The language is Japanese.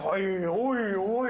おいおい！